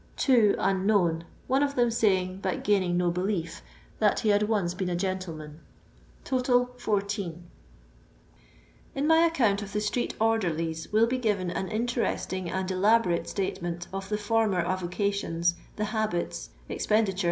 2 Unknown, one of them saying, but gaining no belief that he had once been a gentle 14 In my account of the street orderlies will be given an interesting and elaborate statement of the former avocations, the habits, expenditure, &c.